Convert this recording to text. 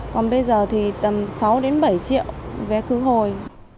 còn bây giờ thì tầm sáu đến bảy triệu vé khứ hồi